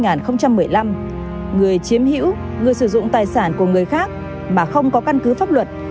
người chiếm hữu người sử dụng tài sản của người khác mà không có căn cứ pháp luật